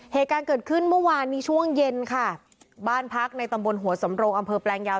เหตุการณ์เกิดขึ้นเมื่อวานนี้ช่วงเย็นค่ะบ้านพักในตำบลหัวสำโรงอำเภอแปลงยาว